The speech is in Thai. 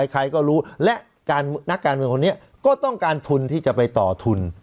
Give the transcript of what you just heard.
ใครก็รู้และนักการเมืองคนนี้ก็ต้องการทุนที่จะไปต่อทุน